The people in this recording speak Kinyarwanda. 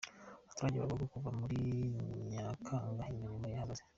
Abaturage bavuga ko kuva muri Nyakanga imirimo yahagaze.